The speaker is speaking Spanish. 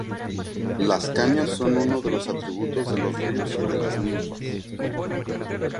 Las cañas son uno de los atributos de los ríos y de las ninfas.